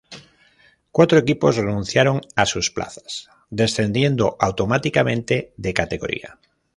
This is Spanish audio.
Cuatro equipos renunciaron a sus plazas, descendiendo automáticamente de categoría.